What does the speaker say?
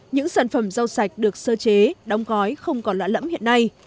những sản phẩm rau sạch được sơ chế đóng gói không còn lạ lẫm hiện nay